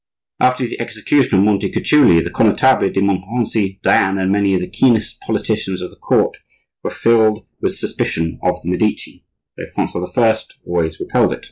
After the execution of Montecuculi the Connetable de Montmorency, Diane, and many of the keenest politicians of the court were filled with suspicion of the Medici; though Francois I. always repelled it.